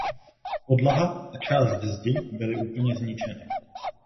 Podlaha a část zdi byly úplně zničeny.